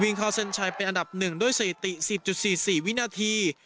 วิงคาวเซ็นชัยเป็นอันดับหนึ่งด้วยสีตีสิบจุดสี่สี่วิ่งนาที